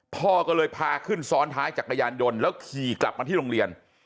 พ่อก็เลยพาขึ้นซ้อนท้ายจักรยานยนต์แล้วขี่กลับมาที่โรงเรียน